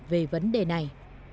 về vấn đề này